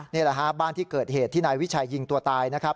นี่แหละฮะบ้านที่เกิดเหตุที่นายวิชัยยิงตัวตายนะครับ